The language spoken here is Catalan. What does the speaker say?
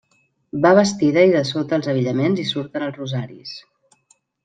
Va vestida i de sota els abillaments hi surten els rosaris.